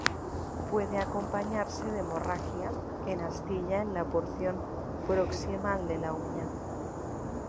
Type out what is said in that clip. Puede acompañarse de hemorragia en astilla en la porción proximal de la uña.